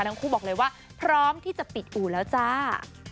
ทั้งคู่บอกเลยว่าพร้อมที่จะปิดอู่แล้วจ้า